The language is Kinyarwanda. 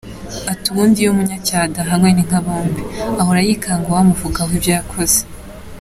Ati “Ubundi iyo umunyacyaha abadahanwe ni nka bombe…ahora yikanga uwamuvugaho ibyo yakoze.